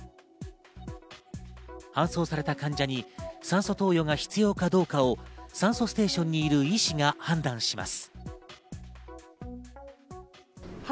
搬送された患者に酸素投与が必要かどうかを酸素ステーションにいる医師が判断します。